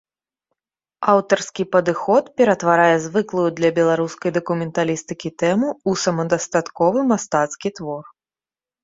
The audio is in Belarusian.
Аўтарскі падыход ператварае звыклую для беларускай дакументалістыкі тэму ў самадастатковы мастацкі твор.